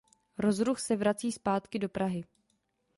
Rozruch se vrací zpátky do Prahy.